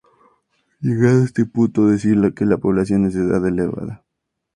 Llegado a este punto decir que la población es de edad elevada.